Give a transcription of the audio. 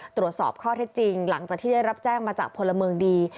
ตรวจสอบข้อเท็จจริงหลังจากที่ได้รับแจ้งมาจากพลเมืองดี